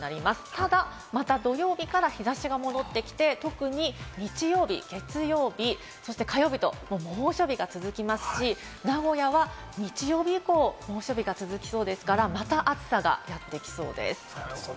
ただまた土曜日から日差しが戻ってきて、特に日曜日、月曜日、そして火曜日と猛暑日が続きますし、名古屋は日曜日以降、猛暑日が続きそうですから、また暑さがやってきそうです。